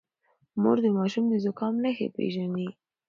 مور د ماشوم د زکام نښې پېژني.